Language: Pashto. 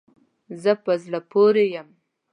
زه په زړه پوری یم